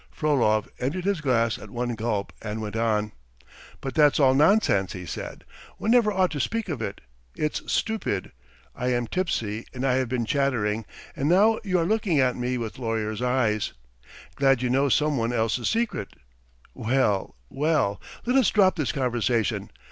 Frolov emptied his glass at one gulp and went on. "But that's all nonsense," he said. "One never ought to speak of it. It's stupid. I am tipsy and I have been chattering, and now you are looking at me with lawyer's eyes glad you know some one else's secret. Well, well! ... Let us drop this conversation.